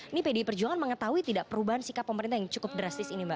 ini pdi perjuangan mengetahui tidak perubahan sikap pemerintah yang cukup drastis ini mbak